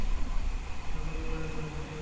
ছেলেটার পরিবারের একজন এসেছে।